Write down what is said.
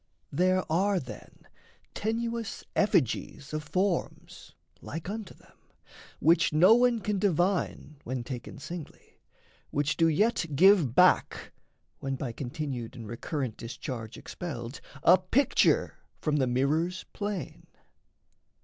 There are, then, tenuous effigies of forms, Like unto them, which no one can divine When taken singly, which do yet give back, When by continued and recurrent discharge Expelled, a picture from the mirrors' plane.